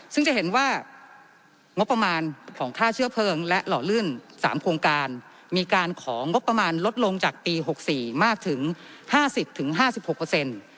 ซึ่งจะเห็นว่างบประมาณของค่าเชื้อเพลิงและหล่อลื่น๓โครงการมีการของงบประมาณลดลงจากปี๖๔มากถึงห้าสิบถึงห้าสิบหกเปอร์เซ็นต์